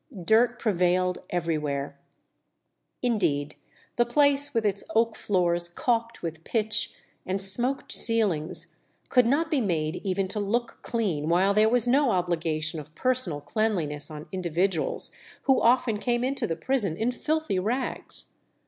Dirt prevailed everywhere; indeed the place, with its oak floors caulked with pitch, and smoked ceilings, could not be made even to look clean while there was no obligation of personal cleanliness on individuals, who often came into the prison in filthy rags.